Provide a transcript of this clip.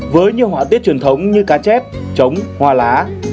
với nhiều họa tiết truyền thống như cá chép trống hoa lá